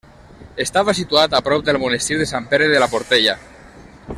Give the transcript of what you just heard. Estava situat a prop del monestir de Sant Pere de la Portella.